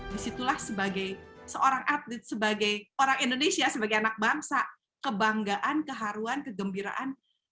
disitulah sebagai seorang atlet sebagai orang indonesia sebagai anak bangsa kebanggaan keharuan kegembiraan semua campur aduk disitu